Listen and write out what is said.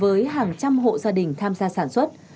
với hàng trăm hộ gia đình tham gia sản xuất